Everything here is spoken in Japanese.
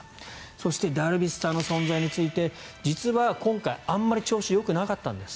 そしてダルビッシュさんの存在について実は今回あまり調子よくなかったんです